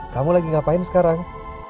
kamu lagi ngapain sekarang